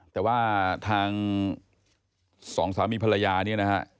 แต่ว่าทางสองสามีภรรยาเนี่ยนะฮะ